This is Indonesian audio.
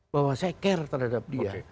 bahwa saya care terhadap dia